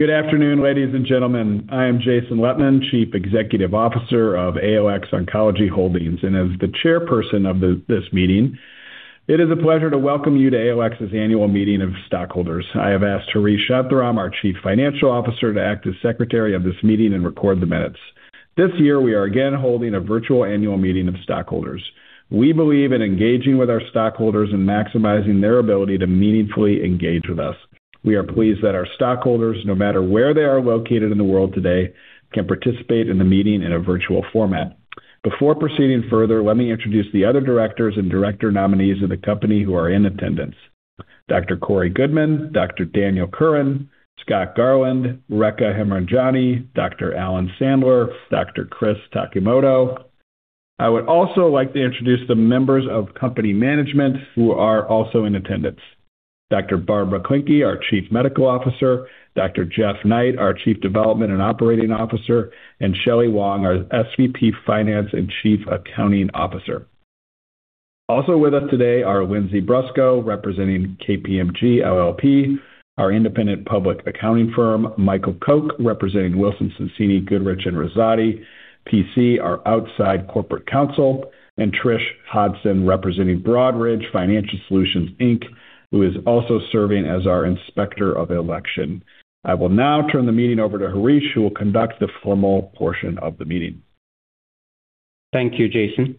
Good afternoon, ladies and gentlemen. I am Jason Lettmann, Chief Executive Officer of ALX Oncology Holdings, and as the chairperson of this meeting, it is a pleasure to welcome you to ALX's annual meeting of stockholders. I have asked Harish Shantharam, our Chief Financial Officer, to act as secretary of this meeting and record the minutes. This year, we are again holding a virtual annual meeting of stockholders. We believe in engaging with our stockholders and maximizing their ability to meaningfully engage with us. We are pleased that our stockholders, no matter where they are located in the world today, can participate in the meeting in a virtual format. Before proceeding further, let me introduce the other directors and director nominees of the company who are in attendance: Dr. Corey Goodman, Dr. Daniel Curran, Scott Garland, Rekha Hemrajani, Dr. Alan Sandler, Dr. Chris Takimoto. I would also like to introduce the members of company management who are also in attendance: Dr. Barbara Klencke, our Chief Medical Officer, Dr. Jeff Knight, our Chief Development and Operating Officer, and Shelley Wong, our SVP Finance and Chief Accounting Officer. Also with us today are Lindsay Brusco, representing KPMG LLP, our independent public accounting firm, Michael Koch, representing Wilson Sonsini Goodrich & Rosati, P.C., our outside corporate counsel, and Trish Hudson, representing Broadridge Financial Solutions, Inc., who is also serving as our Inspector of Election. I will now turn the meeting over to Harish, who will conduct the formal portion of the meeting. Thank you, Jason.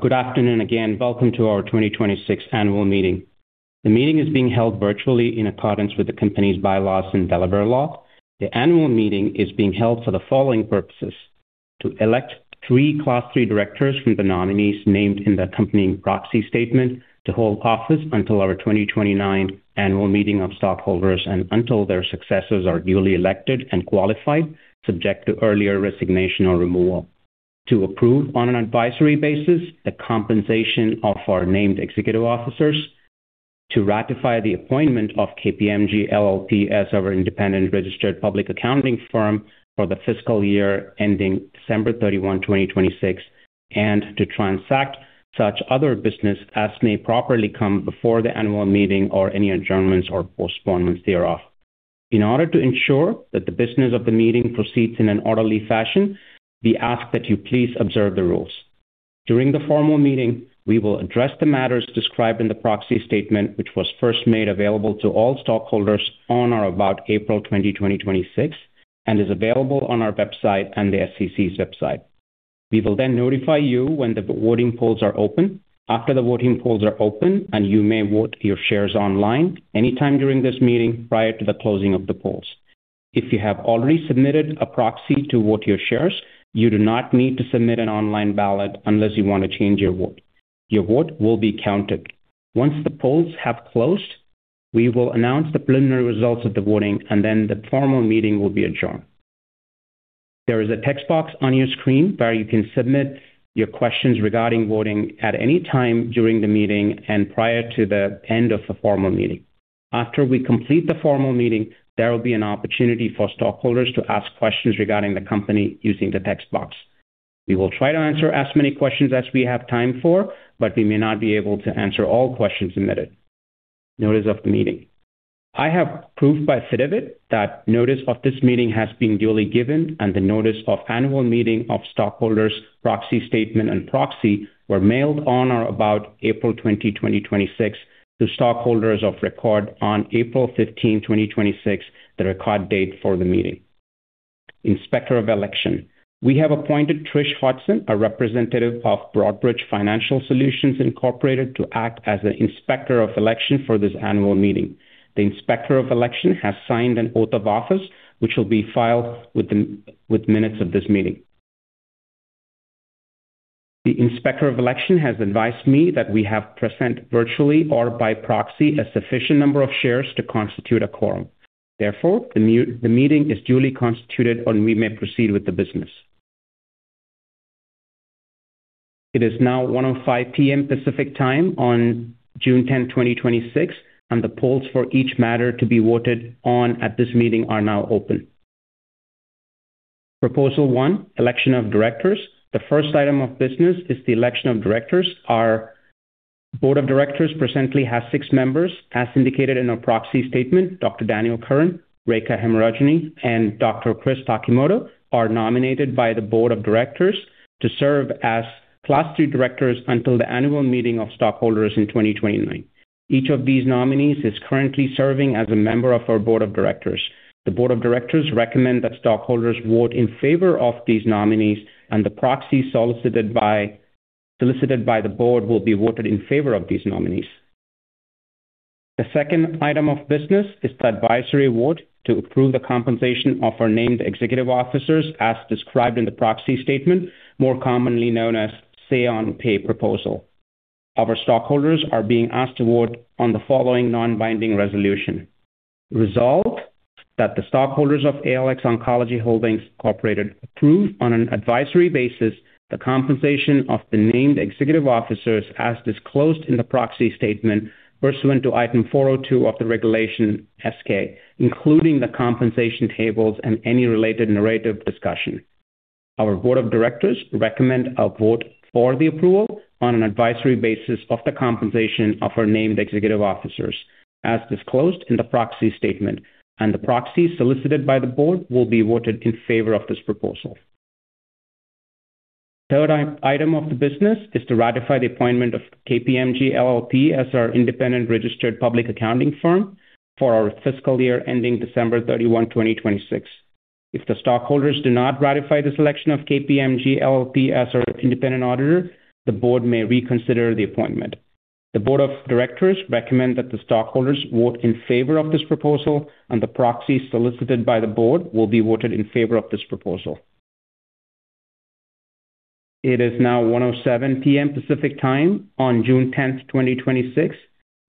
Good afternoon again. Welcome to our 2026 annual meeting. The meeting is being held virtually in accordance with the company's bylaws and Delaware law. The annual meeting is being held for the following purposes: to elect three Class III directors from the nominees named in the accompanying proxy statement to hold office until our 2029 annual meeting of stockholders and until their successors are duly elected and qualified, subject to earlier resignation or removal; to approve, on an advisory basis, the compensation of our named executive officers; to ratify the appointment of KPMG LLP as our independent registered public accounting firm for the fiscal year ending December 31, 2026; to transact such other business as may properly come before the annual meeting or any adjournments or postponements thereof. In order to ensure that the business of the meeting proceeds in an orderly fashion, we ask that you please observe the rules. During the formal meeting, we will address the matters described in the proxy statement, which was first made available to all stockholders on or about April 20, 2026, and is available on our website and the SEC's website. We will then notify you when the voting polls are open. After the voting polls are open, you may vote your shares online anytime during this meeting prior to the closing of the polls. If you have already submitted a proxy to vote your shares, you do not need to submit an online ballot unless you want to change your vote. Your vote will be counted. Once the polls have closed, we will announce the preliminary results of the voting, the formal meeting will be adjourned. There is a text box on your screen where you can submit your questions regarding voting at any time during the meeting and prior to the end of the formal meeting. After we complete the formal meeting, there will be an opportunity for stockholders to ask questions regarding the company using the text box. We will try to answer as many questions as we have time for, but we may not be able to answer all questions submitted. Notice of the meeting. I have proof by affidavit that notice of this meeting has been duly given and the notice of annual meeting of stockholders, proxy statement, and proxy were mailed on or about April 20, 2026, to stockholders of record on April 15, 2026, the record date for the meeting. Inspector of Election. We have appointed Trish Hudson, a representative of Broadridge Financial Solutions Incorporated, to act as the Inspector of Election for this annual meeting. The Inspector of Election has signed an oath of office, which will be filed with minutes of this meeting. The Inspector of Election has advised me that we have present virtually or by proxy a sufficient number of shares to constitute a quorum. Therefore, the meeting is duly constituted, and we may proceed with the business. It is now 1:05 P.M. Pacific Time on June 10, 2026, and the polls for each matter to be voted on at this meeting are now open. Proposal one, election of directors. The first item of business is the election of directors. Our board of directors presently has six members. As indicated in our proxy statement, Daniel Curran, Rekha Hemrajani, and Chris Takimoto are nominated by the board of directors to serve as Class III directors until the annual meeting of stockholders in 2029. Each of these nominees is currently serving as a member of our board of directors. The board of directors recommend that stockholders vote in favor of these nominees, and the proxy solicited by the board will be voted in favor of these nominees. The second item of business is the advisory vote to approve the compensation of our named executive officers as described in the proxy statement, more commonly known as say on pay proposal. Our stockholders are being asked to vote on the following non-binding resolution. Resolved, that the stockholders of ALX Oncology Holdings Incorporated approve, on an advisory basis, the compensation of the named executive officers as disclosed in the proxy statement pursuant to Item 402 of the Regulation S-K, including the compensation tables and any related narrative discussion. Our board of directors recommend a vote for the approval on an advisory basis of the compensation of our named executive officers, as disclosed in the proxy statement, and the proxy solicited by the board will be voted in favor of this proposal. Third item of the business is to ratify the appointment of KPMG LLP as our independent registered public accounting firm for our fiscal year ending December 31, 2026. If the stockholders do not ratify the selection of KPMG LLP as our independent auditor, the board may reconsider the appointment. The board of directors recommend that the stockholders vote in favor of this proposal, the proxy solicited by the board will be voted in favor of this proposal. It is now 1:07 P.M. Pacific Time on June 10th, 2026,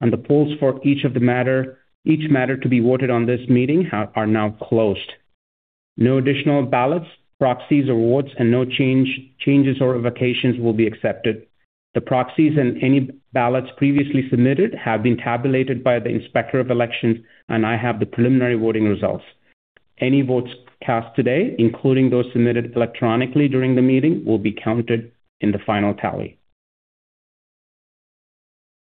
the polls for each matter to be voted on this meeting are now closed. No additional ballots, proxies, or votes, no changes or revocations will be accepted. The proxies and any ballots previously submitted have been tabulated by the Inspector of Election, I have the preliminary voting results. Any votes cast today, including those submitted electronically during the meeting, will be counted in the final tally.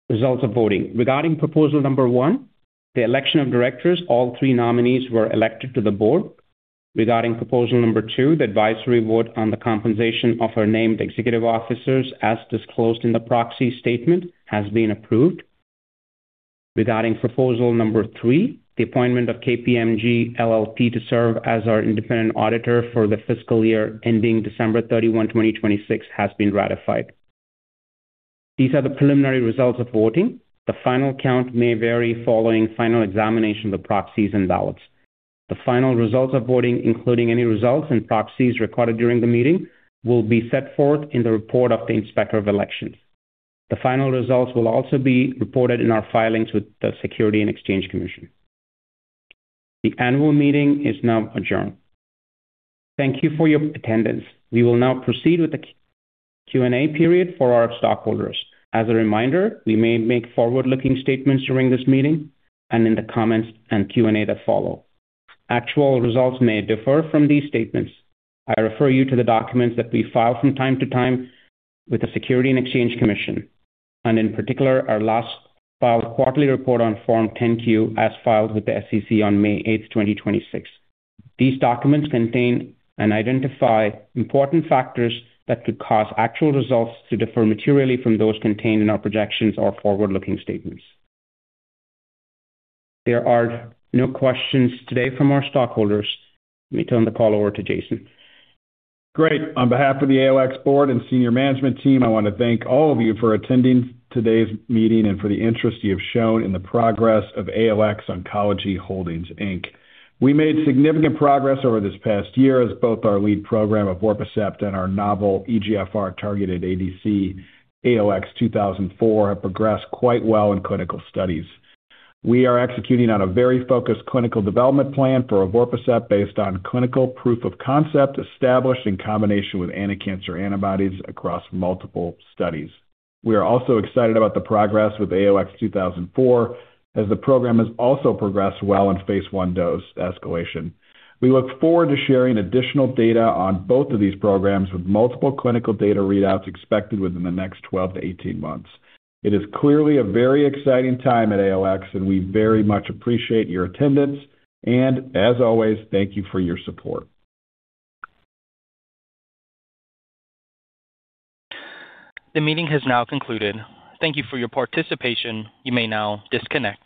Results of voting. Regarding proposal number one, the election of directors, all three nominees were elected to the board. Regarding proposal number two, the advisory vote on the compensation of our named executive officers, as disclosed in the proxy statement, has been approved. Regarding proposal number three, the appointment of KPMG LLP to serve as our independent auditor for the fiscal year ending December 31, 2026, has been ratified. These are the preliminary results of voting. The final count may vary following final examination of the proxies and ballots. The final results of voting, including any results and proxies recorded during the meeting, will be set forth in the report of the Inspector of Election. The final results will also be reported in our filings with the Securities and Exchange Commission. The annual meeting is now adjourned. Thank you for your attendance. We will now proceed with the Q&A period for our stockholders. As a reminder, we may make forward-looking statements during this meeting and in the comments and Q&A that follow. Actual results may differ from these statements. I refer you to the documents that we file from time to time with the Securities and Exchange Commission, in particular, our last filed quarterly report on Form 10-Q, as filed with the SEC on May 8th, 2026. These documents contain and identify important factors that could cause actual results to differ materially from those contained in our projections or forward-looking statements. There are no questions today from our stockholders. Let me turn the call over to Jason. Great. On behalf of the ALX board and senior management team, I want to thank all of you for attending today's meeting and for the interest you have shown in the progress of ALX Oncology Holdings Inc. We made significant progress over this past year as both our lead program, evorpacept, and our novel EGFR-targeted ADC, ALX2004, have progressed quite well in clinical studies. We are executing on a very focused clinical development plan for evorpacept based on clinical proof of concept established in combination with anticancer antibodies across multiple studies. We are also excited about the progress with ALX2004, as the program has also progressed well in phase I dose escalation. We look forward to sharing additional data on both of these programs, with multiple clinical data readouts expected within the next 12-18 months. It is clearly a very exciting time at ALX, and we very much appreciate your attendance, and as always, thank you for your support. The meeting has now concluded. Thank you for your participation. You may now disconnect.